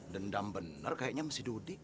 dendam benar kayaknya sama si dudik